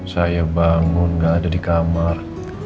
saya bangun gak ada di kamar